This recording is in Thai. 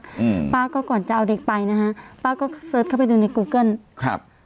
อืมป้าก็ก่อนจะเอาเด็กไปนะฮะป้าก็เสิร์ชเข้าไปดูในกูเกิ้ลครับ